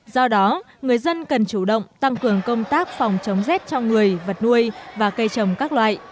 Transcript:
do đó người dân cần chủ động tăng cường công tác phòng chống rét cho người vật nuôi và cây trồng các loại